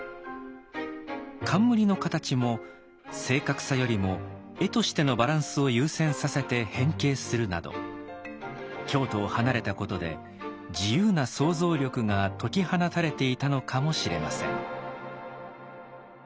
冠の形も正確さよりも絵としてのバランスを優先させて変形するなど京都を離れたことで自由な創造力が解き放たれていたのかもしれません。